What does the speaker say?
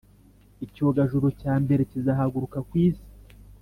icyogajuru cya mbere kizahaguruka ku Isi